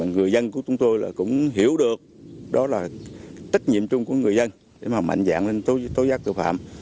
người dân của chúng tôi là cũng hiểu được đó là trách nhiệm chung của người dân để mà mạnh dạng lên tối giác tội phạm